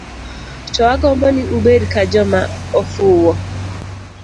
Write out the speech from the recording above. To agombo ni ubed ka joma ofuwo.